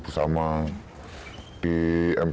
puan di lapangan